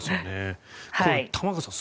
玉川さん